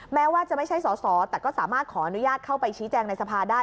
แม้ว่าจะไม่ใช่สอสอแต่ก็สามารถขออนุญาตเข้าไปชี้แจงในสภาได้